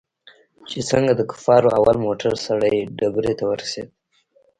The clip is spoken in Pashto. چې څنگه د کفارو اول موټر سرې ډبرې ته ورسېد.